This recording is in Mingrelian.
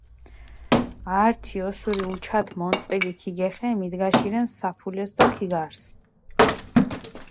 ართი ოსური უჩათ მონწყილი ქიგეხე მიდგაშირენ საფულეს დო ქიგარს.